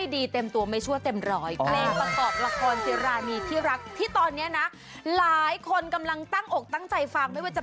คุณเป็นสามีในเรื่องนั่นแหละค่ะแต่ตัวจริงคุณเป็นใครคะ